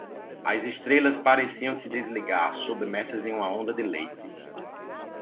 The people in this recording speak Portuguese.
As estrelas pareciam se desligar submersas em uma onda de leite.